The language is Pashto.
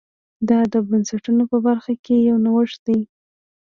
دا د بنسټونو په برخه کې یو نوښت دی